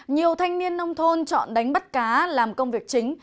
nhiều thanh niên nông thôn chọn đánh bắt cá làm công việc chính